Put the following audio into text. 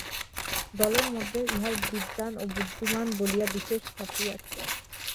দলের মধ্যে ইঁহার বিদ্বান ও বুদ্ধিমান বলিয়া বিশেষ খ্যাতি আছে।